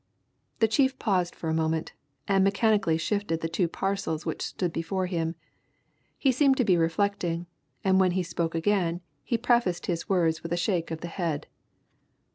The chief paused for a moment, and mechanically shifted the two parcels which stood before him. He seemed to be reflecting, and when he spoke again he prefaced his words with a shake of the head.